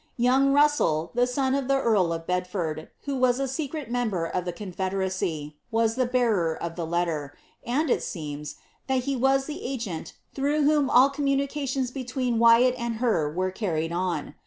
Young Russell, the son of the eail of Bedford, who was a secret member of the confederacy, was the bearer of the letter, and it seems, that he was the agent, through vhom all communications between Wyat and her were carried on.'